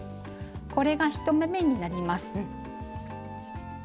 これが１目めになります。